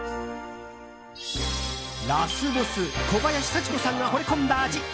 ラスボス小林幸子さんがほれ込んだ味